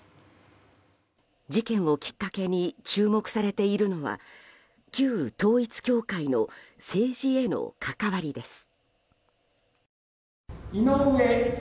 事件をきっかけに注目されているのは旧統一教会の政治への関わりです。